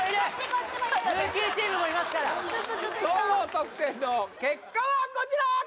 こっちもいる・ルーキーチームもいますから総合得点の結果はこちら！